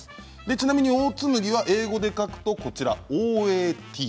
ちなみにオーツ麦は英語で書くとＯＡＴ。